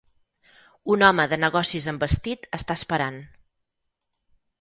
Un home de negocis amb vestit està esperant.